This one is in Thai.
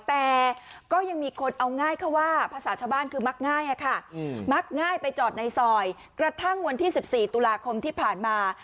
แต่ก็ยังมีคนเอาง่ายเข้าว่าภาษาชาวบ้านคือมักง่ายค่ะมักง่ายไปจอดในซอยกระทั่งวันที่๑๔ตุลาคมที่ผ่านมา